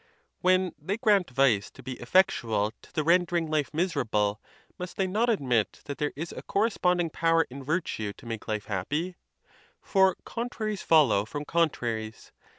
when they grant vice to be effectual to the render ing life miserable, must they not admit that there is a cor responding power in virtue to make ljfe happy ?° For con traries follow from contraries.